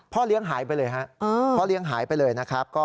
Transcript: พ่อเลี้ยงหายไปเลยนะครับ